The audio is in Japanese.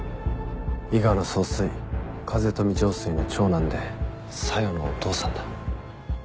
伊賀の総帥風富城水の長男で小夜のお父さんだ。